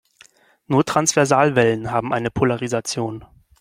Nur Transversalwellen haben eine Polarisation.